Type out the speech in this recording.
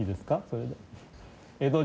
それで。